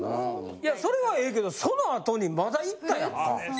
いやそれはええけどその後にまだ行ったやんか。